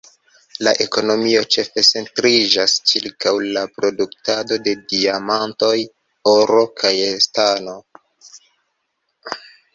La ekonomio ĉefe centriĝas ĉirkaŭ la produktado de diamantoj, oro kaj stano.